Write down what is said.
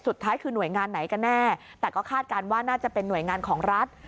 สุดท้ายคือหน่วยงานไหนกันแน่แต่ก็คาดการณ์ว่าน่าจะเป็นหน่วยงานของรัฐ